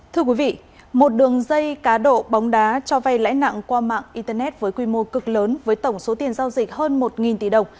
thưa quý vị một đường dây cá độ bóng đá cho vay lãi nặng qua mạng internet với quy mô cực lớn với tổng số tiền giao dịch hơn một tỷ đồng